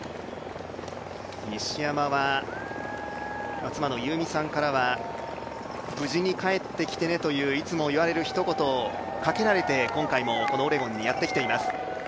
西山は妻の宥美さんからは「無事に帰ってきてね」といつも言われるひと言をかけられて今回もこのオレゴンにやってきています。